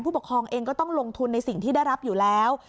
ปกครองเองก็ต้องลงทุนในสิ่งที่ได้รับอยู่แล้ว